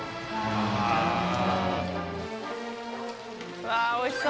うわぁおいしそう。